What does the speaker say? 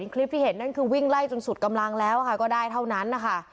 คลิปที่เห็นนั่นคือวิ่งไล่จนสุดกำลังแล้วค่ะก็ได้เท่านั้นนะคะ